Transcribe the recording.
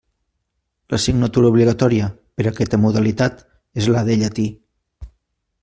L'assignatura obligatòria per aquesta modalitat és la de llatí.